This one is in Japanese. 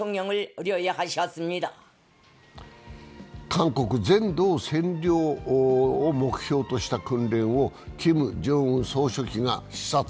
韓国全土の占領を目標とした訓練をキム・ジョンウン総書記が視察。